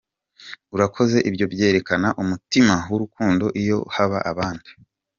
urakoze ibyo byerekana umutima wirukundo iyo haba abandi.